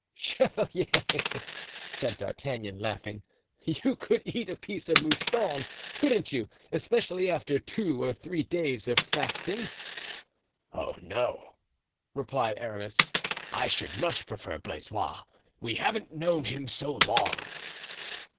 "Chevalier," said D'Artagnan, laughing, "you could eat a piece of Mouston, couldn't you, especially after two or three days of fasting?" "Oh, no," replied Aramis, "I should much prefer Blaisois; we haven't known him so long."